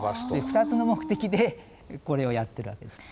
２つの目的でこれをやってるわけですね。